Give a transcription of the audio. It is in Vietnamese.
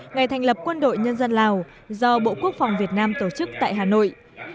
ngày thành lập quân đội nhân dân lào do bộ quốc phòng việt nam tổ chức tại hà nội